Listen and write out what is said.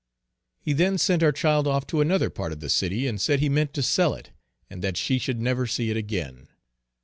He then sent our child off to another part of the city, and said he meant to sell it, and that she should never see it again.